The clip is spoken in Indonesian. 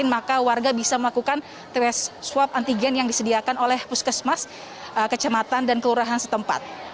maka warga bisa melakukan swab antigen yang disediakan oleh puskesmas kecamatan dan kelurahan setempat